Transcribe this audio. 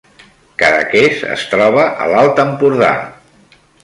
Cadaqués es troba a l’Alt Empordà